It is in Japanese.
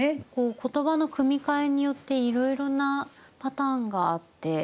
言葉の組み替えによっていろいろなパターンがあって。